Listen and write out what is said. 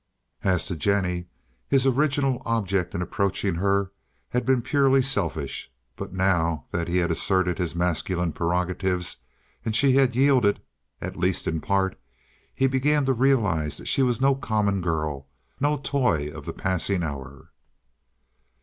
As to Jennie, his original object in approaching her had been purely selfish. But now that he had asserted his masculine prerogatives, and she had yielded, at least in part, he began to realize that she was no common girl, no toy of the passing hour.